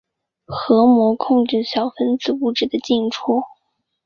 核膜控制小分子物质的进出。